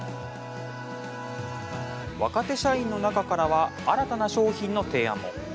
若手社員の中からは新たな商品の提案も。